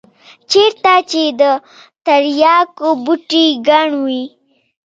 چېرته چې د ترياکو بوټي گڼ وي.